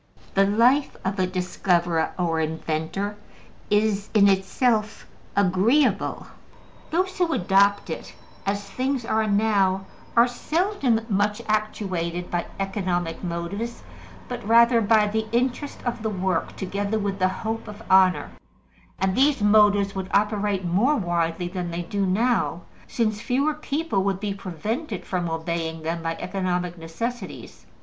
The life of a discoverer or inventor is in itself agreeable: those who adopt it, as things are now, are seldom much actuated by economic motives, but rather by the interest of the work together with the hope of honor; and these motives would operate more widely than they do now, since fewer people would be prevented from obeying them by economic necessities.